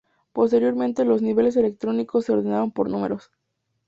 Posteriormente los niveles electrónicos se ordenaron por números.